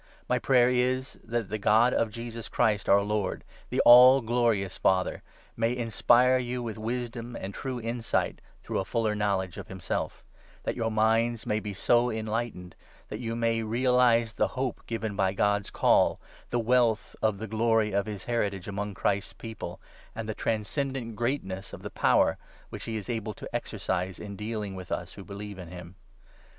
My prayer is that the God of Jesus Christ our Lord, the all glorious Father, may in spire you with wisdom and true insight through a fuller know ledge of himself ; that your minds may be so enlightened that you may realize the hope given by God's Call, the wealth of the glory of his heritage among Christ's People, and the transcen dant greatness of the power which he is able to exercise in deal ing with us who believe in him.